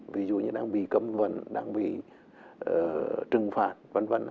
ví dụ như đang bị cấm vận đang bị trừng phạt v v